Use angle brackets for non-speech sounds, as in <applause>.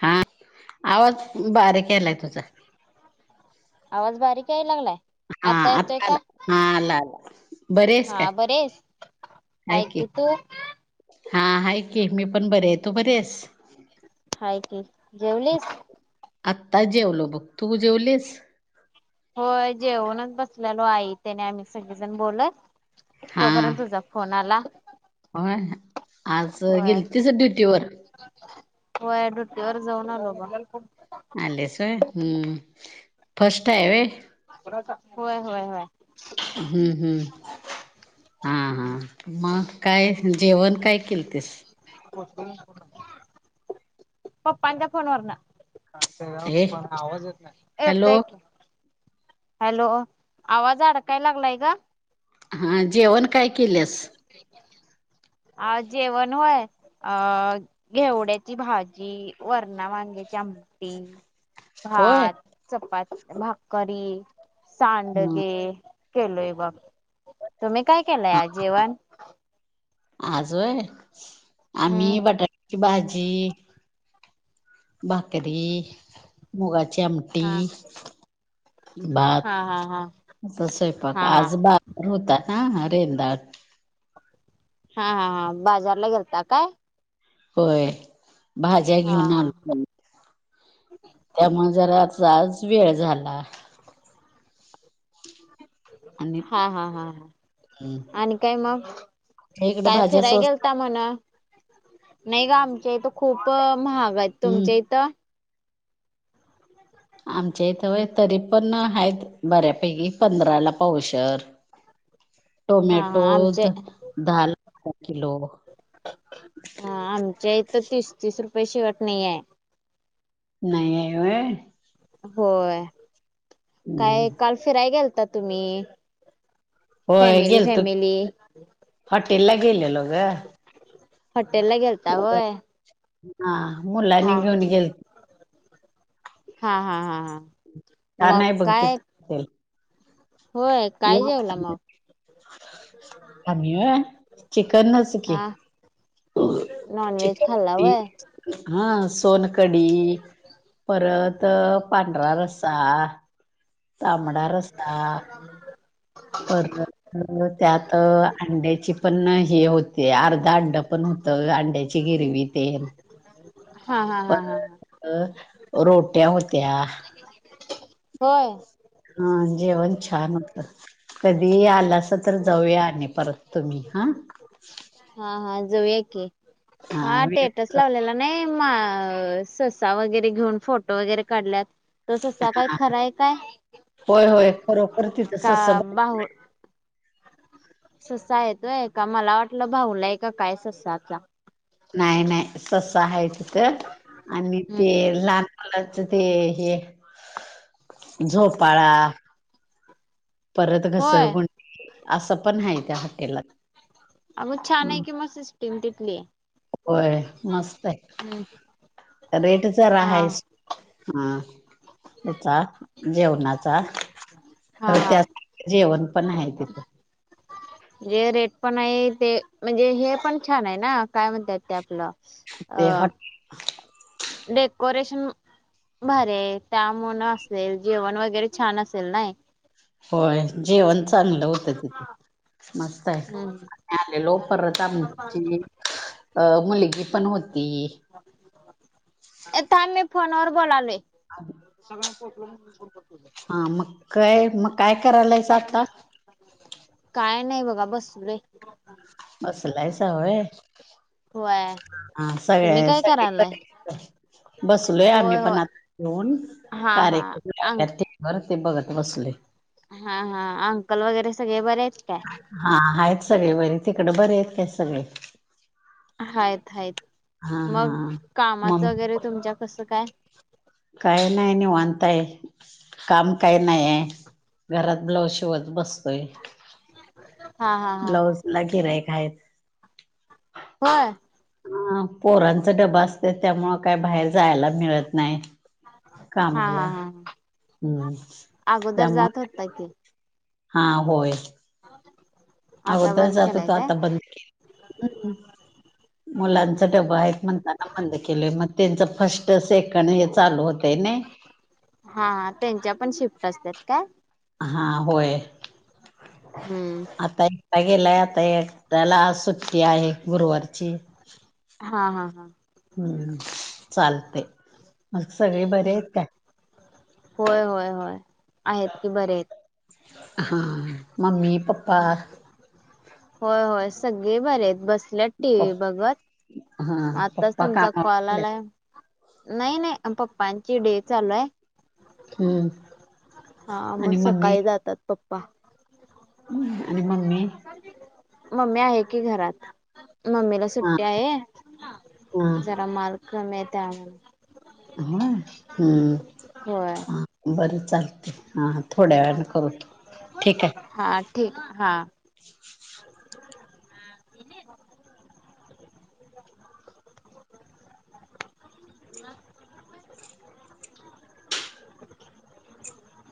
हा, आवाज बारीक यायलाय तुझा. आवाज बारीक याय लागलाय? हा आता येतोय का? आला हा आला आला बरी आहेस काय हा बरेस हाय हायत की तू? हा हाय की मी पण बरी आहे. तू बरी आहेस? हाय की. जेवलीस? आत्ताच जेवलो बघ. तू जेवलीस? होय जेवूनच बसलेलो, आई तेन आम्ही सगळेजण बोलत. तोपर्यंत तुझा फोन आला. व्हय? आज गेलतीस ड्युटीवर? व्हय. ड्यूटीवर जाऊण आलो बघ. आलीस व्हय? हं. फर्स्ट हाय व्हय? होय होय होय. हं हं, हां हां. म? काय जेवण काय केलतस? <unintelligible> पप्पांच्या फोनवरन. चालतंय हे पण आवाज येत नाही. हॅलो येतय की. हॅलो, आवाज अडकाय लागलाय गं. हा जेवण काय केलेस? आज जेवण व्हय? अ घेवड्याची भाज जी, वरणा वांग्याची आमटी, होय भात, चपात भाकरी, हं, सांडगे केलय बघ. तुम्ही काय केलंय आज जेवण? आज व्हय? हम्म आम्ही बटाट्याची भाजी, भाकरी, मुगाची आमटी, हा भात हा हा हा असा स्वैपाक. हा हा आज भात होता ना रेंदात. हा हा हां बाजारला गेलता काय? होय. भाज्या हा घेऊन आल हा त्यामुळे जरासा आज वेळ झाला. आणि हा हा हां तुमच्या आणि काय मग? इकडं काय भाज्या फिराय स्वस्त गेलता आहेत? म्हणा. नाही ग आमच्या इथ खूप महाग आहेत हम्म तुमच्या इथं- आमच्या इथं तरी पण आहेत बऱ्यापैकी पंधराला पावशर. <inaudible> टोमॅटो हा आमचे द धाला पाव किलो. हा. आमच्या इथ तीस तीस रुपये शेवट नाही आहे. नाही <unintelligible> होय हम्म. काय काल फिराय गेलता तुम्ही होय फॅमिली गेल तू फॅमिली <inaudible> हॉटेल ला गेले लो ग. हॉटेल ला गेलता होय. हा मुला हा. नि घेऊन गेल्त. हा हा हा हा. का मग नाही बघते. काय <inaudible> होय काय जेवला मग? <inaudible> आमही व चिकन नसकी, हा हो, नॉनव्हेज खाल्ला व्हय. <unintelligible> हा सोनकडी परत पांढरा रसा तांमडा रस्ता, बर, त्यात अंड्याची पण हे होती अर्धा अंड पण होतं अंड्याची गिरवी तेल हा हा हा हा हा. अ रोट्या होत्या <unintelligible> हो, हा अं जेवण छान होत कधी आलं अस तर जाऊया आ परत तुम्ही हा? हा हा जाऊ आहे की हा टेटस लावलेला नाही. <unintelligible> ससा वगैरे घेऊन फोटो वगैरे काढल्यात तस काय खरंय काय होय होय खरोखर <inaudible> तिथं का ससंब बाहु. ससा येतोय, का मला वाटलं भाऊलाय का काय ससा आतला नाही-नाही सस आहे तुथं आणि हम्म ते हम्म हम्म. लहान लाच ते हे <inaudible> झोपाळा. परत होय घसरगु असं पण आहे त्या हॉटेला अगं छान आहे कि म स स्टीम तिथली. होय मस्त हम्म आहे <inaudible> रेट हा जहायस हा त्याचा <inaudible> जेवणाच. हा खरं त्या हा. जेवण पण आहे तिथे <unintelligible> जे रेट पण आहे ते म्हणजे हे पण छान आहे ना काय म्हणत य ते आपलं ते अ हट डेकोरेशन. बरे त्यामु असेल जेवण वगैरे छान असेल ना होय जेवण चांगलं होतं तिथे मस्त हम्म आहे <inaudible> आलेलो परता आमची. अं मुलगी पण होती. <inaudible> आथ मी फोन वर बोलालोय. अ. सगळ्यां <unintelligible> हा मग काय मग काय करायलायच पाच आता? मिनिट काय नाही बघा बस रे बसलाय सवय. होय ह हा तुम्ही सगळ्या काय सगळे करायलाय प. बसलोय आम्ही होय पण होय आता घेऊन हा हा अं कार्यक्र बरं ते बघत बसले हा हा अंकल वगैरे सगळे बरे आहेत का हा आहेता आहेत सगळे बरी तिकड बरे आहेत का सगळे हाय हाय हा मग हा कामाचं वगैरे तुमच्या कसं काय काही नाही नाही वानताय काम काही नाही आहे घरात ब्लाऊज शिवत बसतोय ह ब्लाऊज लागेर का आहेत हो ह पोरांचा डबा असत त्यामु काय बाहेर जायला मिळत नाही हा कामाला हा हा हम्म अगोदर त्यामु जात होता क हा होय हो अगोदर जातो तो आता बंद हम्म हम्म मुलांचा डबा हम्म आहेत म्हणतात बंद केलय मग त्यांचं फर्स्ट सेकंड हे चालू होतय ना हा त्यांच्या पण शिफ्ट असतात काय हा होय हम्म आता ता गेला आता त्याला सुट्टी आहे गुरुवारची हा हा हा हम्म चालते मग सगळे बरे आहेत काय होय होय होय आहेत कि बरे आहेत हा ममी पप् होय होय सगळे बरे आहेत बसल्यात टी व्ही पप्प बघत हा आत्ताच पप्पा तुमचा कामावर कॉल गेलेत आलाय नाही नाही पप्पांची डे चालू आहे हम्म हा मग आणि सकाळी जातात पप्पा हम् आणि म्मी म्मी आहे की घरात ममीला हा सुट्टी हा आहे जरा माल कमी आहे त्यामुळे होय होय हम्म बर चालते हां थोड्या वेळाने करूतो ठीक आहे हा ठीक हा ह तन